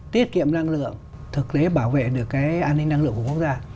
tiết kiệm năng lượng thực tế bảo vệ được cái an ninh năng lượng của quốc gia